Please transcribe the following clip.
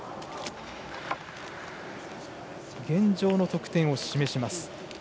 現状の得点を示します。